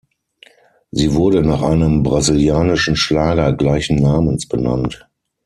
Sie wurde nach einem brasilianischen Schlager gleichen Namens benannt.